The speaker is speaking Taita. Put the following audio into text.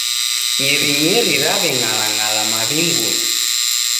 Nyerinyeri raweng'alang'ala maw'inguny